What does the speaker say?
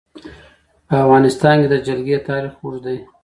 په افغانستان کې د جلګه تاریخ اوږد دی.